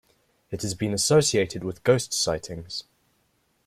It has been associated with ghost sightings.